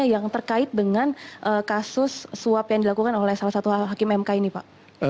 yang terkait dengan kasus suap yang dilakukan oleh salah satu hakim mk ini pak